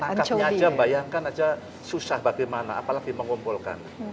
angkabnya saja bayangkan saja susah bagaimana apalagi mengumpulkan